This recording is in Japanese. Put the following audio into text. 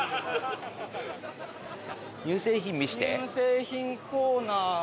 乳製品コーナーは。